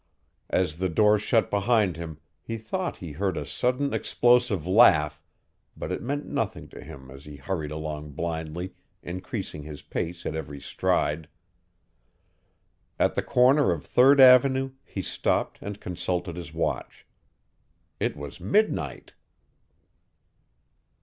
As the door shut behind him he thought he heard a sudden explosive laugh, but it meant nothing to him as he hurried along blindly, increasing his pace at every stride. At the corner of Third avenue he stopped and consulted his watch. It was midnight!